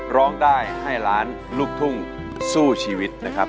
ร้องได้ให้ล้านลูกทุ่งสู้ชีวิตนะครับ